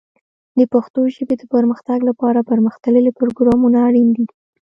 د پښتو ژبې د پرمختګ لپاره پرمختللي پروګرامونه اړین دي.